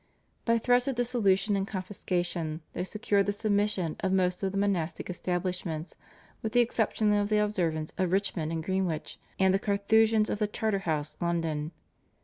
By threats of dissolution and confiscation they secured the submission of most of the monastic establishments with the exception of the Observants of Richmond and Greenwich and the Carthusians of the Charterhouse, London.